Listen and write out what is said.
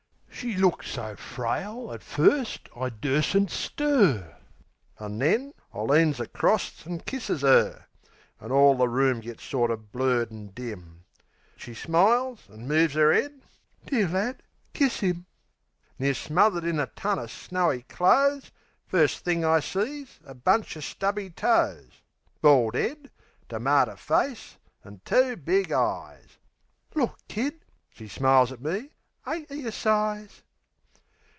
She looks so frail, at first, I dursn't stir. An' then, I leans acrost an' kisses 'er; An' all the room gits sorter blurred an' dim... She smiles, an' moves 'er 'ead. "Dear lad! Kiss 'im." Near smothered in a ton of snowy clothes, First thing, I sees a bunch o' stubby toes, Bald 'ead, termater face, an' two big eyes. "Look, Kid," she smiles at me. "Ain't 'e a size?"